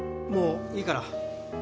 もういいから。